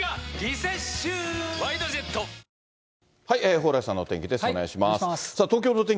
蓬莱さんのお天気です。